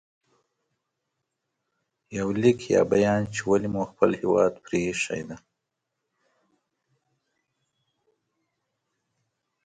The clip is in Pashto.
• یو لیک یا بیان چې ولې مو خپل هېواد پرې ایښی